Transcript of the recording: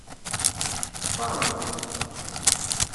Textaṛeḍ-t?